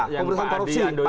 yang berupa adi andoyo